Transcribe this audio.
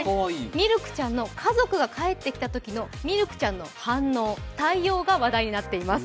ミルクちゃんの家族が帰ってきたときのミルクちゃんの反応、対応が話題になっています。